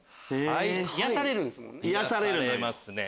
癒やされるんですもんね？